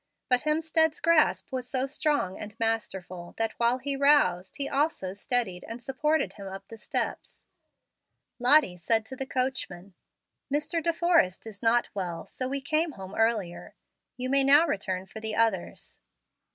But Hemstead's grasp was so strong and masterful, that while he roused, he also steadied and supported him up the steps. Lottie said to the coachman, "Mr. De Forrest is not well, so we came home earlier. You may now return for the others."